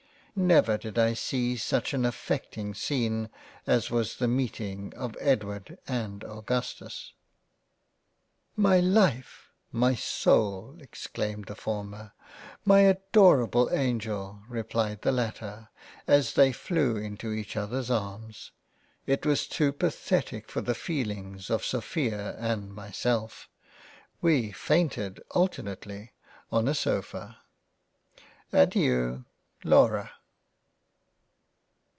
Never did I see such an affecting Scene as was the meeting of Edward and Augustus. 15 £ JANE AUSTEN " My Life ! my Soul !" (exclaimed the former) " M) adorable angel !" (replied the latter) as they flew into eacl other's arms. It was too pathetic for the feelings of Sopl and myself — We fainted alternately on a sofa. Adeiu Laura.